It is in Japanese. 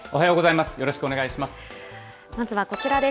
まずはこちらです。